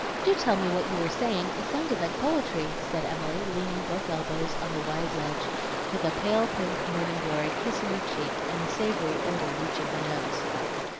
Do tell me what you were saying. It sounded like poetry," said Emily, leaning both elbows on the wide ledge with a pale pink morning glory kissing her cheek, and a savory odor reaching her nose.